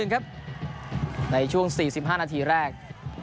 ๑๑ครับในช่วง๔๕นาทีแรก